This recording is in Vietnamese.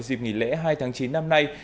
dịp nghỉ lễ hai tháng chín năm nay